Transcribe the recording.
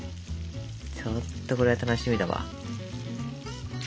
ちょっとこれは楽しみだわ。